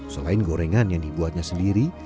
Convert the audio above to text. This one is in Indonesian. selain gorengan yang dibuatnya sendiri